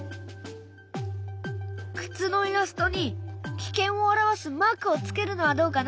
靴のイラストに危険を表すマークをつけるのはどうかな？